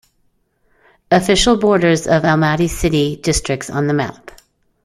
Official borders of Almaty city districts on the map.